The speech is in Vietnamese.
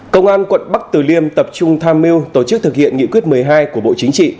công an quận bắc từ liêm tập trung tham mưu tổ chức thực hiện nghị quyết một mươi hai của bộ chính trị